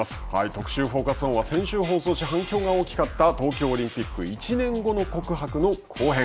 特集「Ｆｏｃｕｓｏｎ」は先週放送し反響が大きかった東京オリンピック１年後の告白の後編。